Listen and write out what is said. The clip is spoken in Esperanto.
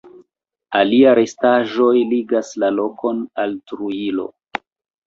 Alia restaĵoj ligas la lokon al Trujillo.